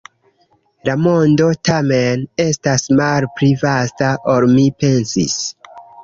La mondo, tamen, estas malpli vasta, ol mi pensis.